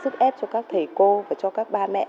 thầy cô và cho các ba mẹ